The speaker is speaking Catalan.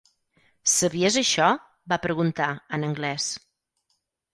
"Sabies això?" Va preguntar, en anglès.